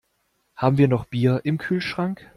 Haben wir noch Bier im Kühlschrank?